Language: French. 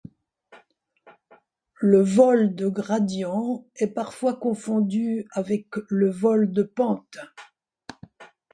Le vol de gradient est parfois confondu avec le vol de pente.